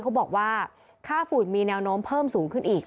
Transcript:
เขาบอกว่าค่าฝุ่นมีแนวโน้มเพิ่มสูงขึ้นอีก